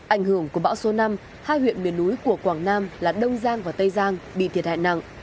ảnh hưởng của bão số năm hai huyện miền núi của quảng nam là đông giang và tây giang bị thiệt hại nặng